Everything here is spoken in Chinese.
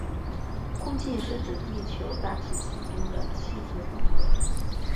空气是指地球大气层中的气体混合。